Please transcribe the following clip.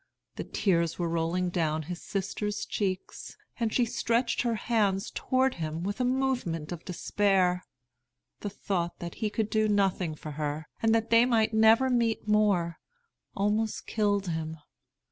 The tears were rolling down his sister's cheeks, and she stretched her hands toward him with a movement of despair. The thought that he could do nothing for her, and that they might never meet more, almost killed him.